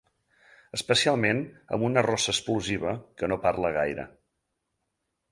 Especialment amb una rossa explosiva que no parla gaire.